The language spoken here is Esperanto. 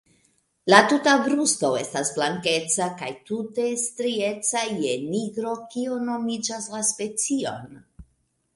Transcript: La tuta brusto estas blankeca kaj tute strieca je nigro, kio nomigas la specion.